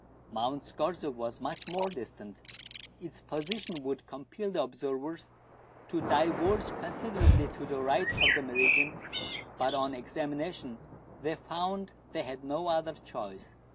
Mount Scorzef was much more distant ; its position would compel the observers to diverge considerably to the right of the meridian, but on examination they found they had no other choice.